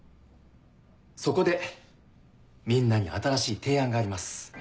そこでみんなに新しい提案があります。